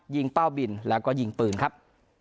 เป้าบินแล้วก็ยิงปืนครับ